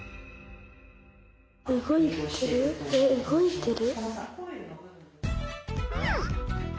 動いてる？